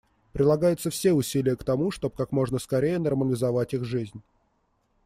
Прилагаются все усилия к тому, чтобы как можно скорее нормализовать их жизнь.